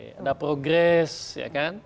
ada progress ya kan